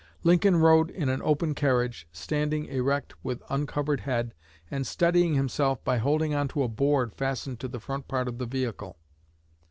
Lincoln rode in an open carriage, standing erect with uncovered head, and steadying himself by holding on to a board fastened to the front part of the vehicle.